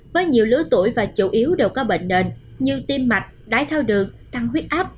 với nhiều lứa tuổi và chủ yếu đều có bệnh nền như tim mạch đái thao đường tăng huyết áp